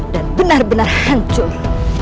dan benar benar hancur